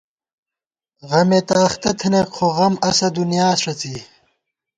غمے تہ اختہ تھنئیک خو غم اسہ دُنیا ݭڅی